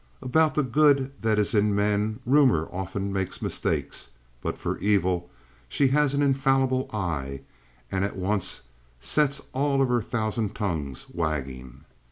About the good that is in men rumor often makes mistakes, but for evil she has an infallible eye and at once sets all of her thousand tongues wagging.